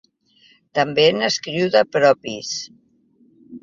També n'escriu de propis.